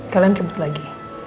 kalian rebut lagi